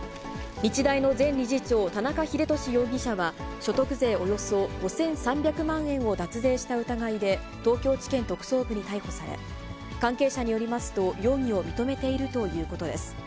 日大の前理事長、田中英壽容疑者は、所得税およそ５３００万円を脱税した疑いで、東京地検特捜部に逮捕され、関係者によりますと、容疑を認めているということです。